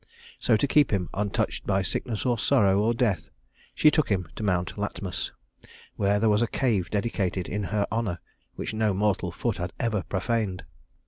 So to keep him untouched by sickness or sorrow or death she took him to Mount Latmus, where there was a cave dedicated in her honor which no mortal foot had ever profaned.